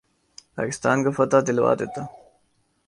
پاکستان کو فتح دلوا دیتا